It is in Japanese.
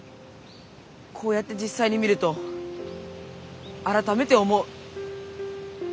こうやって実際に見ると改めて思う。